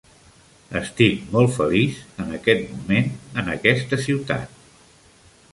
Estic molt feliç en aquest moment, en aquesta ciutat.